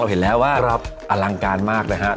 เห็นแล้วว่าอลังการมากนะครับ